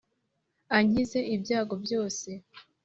ankize ibyago byose